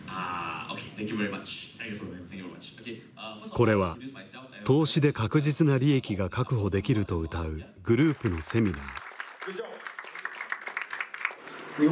これは投資で確実な利益が確保できるとうたうグループのセミナー。